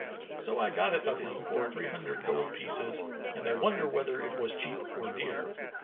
So I got it of him for three hundred gold pieces and I wonder whether it was cheap or dear.'